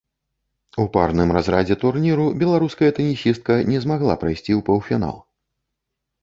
У парным разрадзе турніру беларуская тэнісістка не змагла прайсці ў паўфінал.